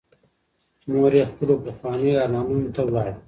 مور یې خپلو پخوانیو ارمانونو ته لاړه.